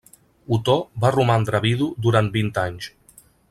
Otó va romandre vidu durant vint anys.